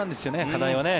課題はね。